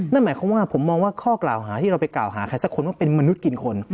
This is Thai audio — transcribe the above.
นั่นหมายความว่าผมมองว่าข้อกล่าวหาที่เราไปกล่าวหาใครสักคนว่าเป็นมนุษย์กินคน